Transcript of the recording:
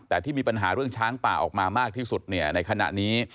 แต่ที่มีปัญหาเรื่องช้างป่าออกมามากที่สุดในขณะนี้